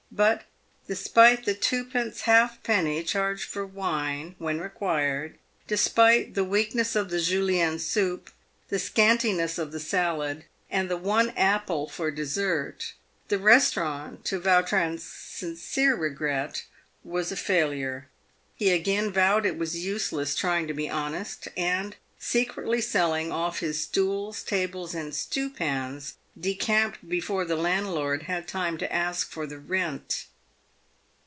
But, despite the twopence halfpenny charged for wine (when required), despite the weakness of the Julienne soup, the scantiness of the salad, and the one apple for des sert, the restaurant, to Vautrin's sincere regret, was a failure. He again vowed it was useless trying to be honest, and, secretly selling off his stools, tables, and stewpans, decamped before the landlord had time to ask for the rent.